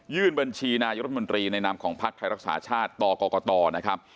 ยื่นบัญชีนายรัฐมนตรีในนามของภักดิ์ไทยรักษาชาติต่อก่อก่อต่อนะครับ